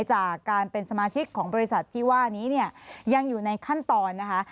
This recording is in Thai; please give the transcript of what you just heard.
จากการเป็นสมาชิกของบริษัทที่ว่านี้เนี่ยยังอยู่ในขั้นตอนนะคะ